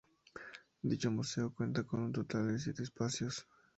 Dicho museo cuenta con un total de siete espacios.